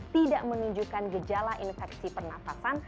tidak menunjukkan gejala infeksi pernafasan